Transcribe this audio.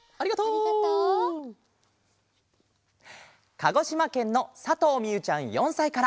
かごしまけんのさとうみゆちゃん４さいから。